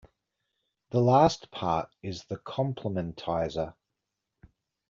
The last part is the complementizer.